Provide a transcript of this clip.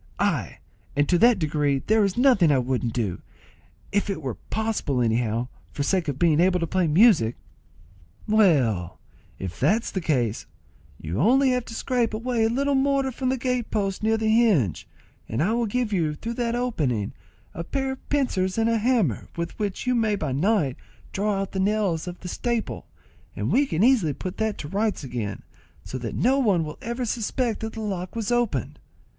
Ay, and to that degree that there is nothing I wouldn't do, if it were possible anyhow, for sake of being able to play music." "Well, if that's the case, you have only to scrape away a little mortar from the gate post near the hinge, and I will give you, through that opening, a pair of pincers and a hammer, with which you may by night draw out the nails of the staple, and we can easily put that to rights again, so that no one will ever suspect that the lock was opened.